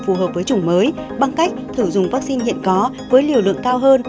phù hợp với chủng mới bằng cách thử dùng vaccine hiện có với liều lượng cao hơn